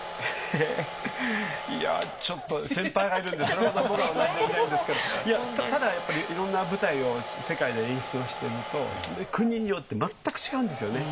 えいやちょっと先輩がいるんでそれほど僕はお話しできないんですけどただやっぱりいろんな舞台を世界で演出をしてると国によって全く違うんですよね。